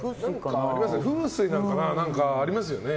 風水とかでありますよね。